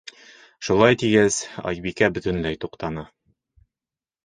- Шулай тигәс, Айбикә бөтөнләй туҡтаны.